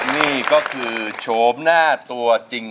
นี่ก็คือโฉมหน้าตัวจริง